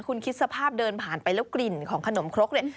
คุณคิดสภาพเดินผ่านไปแล้วกลิ่นของขนมครกเนี่ย